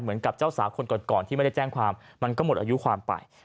เจ้าสาวคนก่อนที่ไม่ได้แจ้งความมันก็หมดอายุความไป